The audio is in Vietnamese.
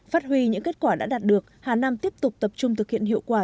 phát huy những kết quả đã đạt được hà nam tiếp tục tập trung thực hiện hiệu quả